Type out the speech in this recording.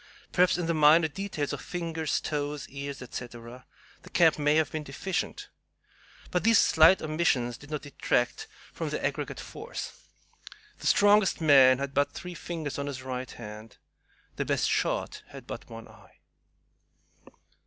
Perhaps in the minor details of fingers, toes, ears, etc., the camp may have been deficient, but these slight omissions did not detract from their aggregate force. The strongest man had but three fingers on his right hand; the best shot had but one eye.